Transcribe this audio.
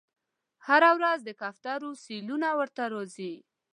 هره ورځ د کوترو سیلونه ورته راځي